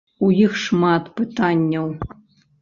У іх шмат пытанняў.